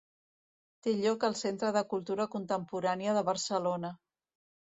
Té lloc al Centre de Cultura Contemporània de Barcelona.